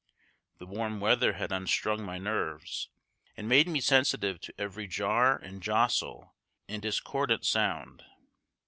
The warm weather had unstrung my nerves and made me sensitive to every jar and jostle and discordant sound.